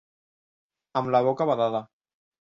Amb la boca badada.